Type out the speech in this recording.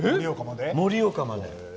盛岡まで。